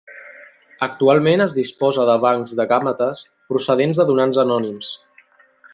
Actualment es disposa de bancs de gàmetes procedents de donants anònims.